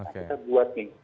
kita buat nih